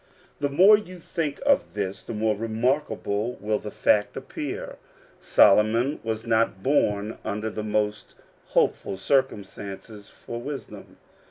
The more you think of this the more remarkable will the fact appear. Solomon was not born under the most hopeful circumstances for wisdom.